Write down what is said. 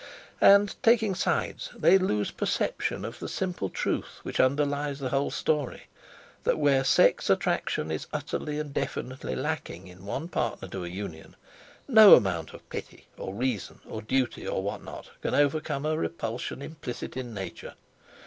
And, taking sides, they lose perception of the simple truth, which underlies the whole story, that where sex attraction is utterly and definitely lacking in one partner to a union, no amount of pity, or reason, or duty, or what not, can overcome a repulsion implicit in Nature.